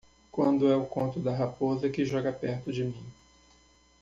Quando é o conto da raposa que joga perto de mim